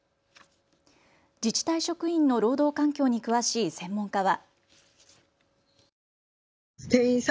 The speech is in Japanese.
自治体職員の労働環境に詳しい専門家は。